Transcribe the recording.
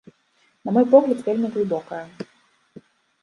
На мой погляд, вельмі глыбокая.